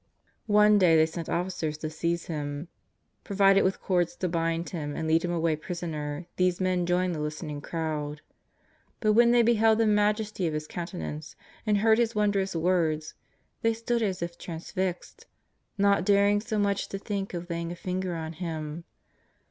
One day they sent officers to seize Him. Provided with cords to bind Him and lead Him away prisoner, these men joined the listening crowd. But when they beheld the majesty of His countenance and heard His wondrous words, they stood as if transfixed, not daring so much as to think of laying a finger on Him.